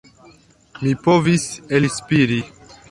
Mi povis elspiri.